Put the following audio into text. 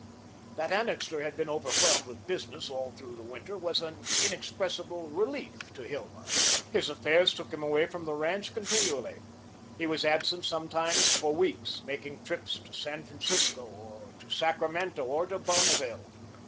That Annixter had been overwhelmed with business all through the winter was an inexpressible relief to Hilma. His affairs took him away from the ranch continually. He was absent sometimes for weeks, making trips to San Francisco, or to Sacramento, or to Bonneville.